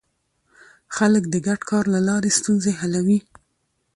خلک د ګډ کار له لارې ستونزې حلوي